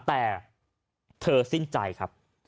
แต่เธอสิ้นใจครับ